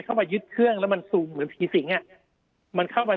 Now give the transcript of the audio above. มายึดเครื่องแล้วมันซูมเหมือนผีสิงอ่ะมันเข้าไป